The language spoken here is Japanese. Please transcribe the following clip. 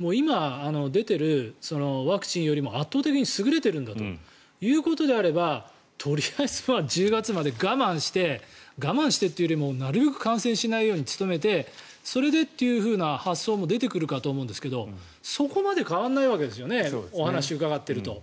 今、出ているワクチンよりも圧倒的に優れているんだということであればとりあえずは１０月まで我慢して我慢してというよりもなるべく感染しないように努めてそれでというふうな発想も出てくるかと思うんですけどそこまで変わらないわけですよねお話を伺っていると。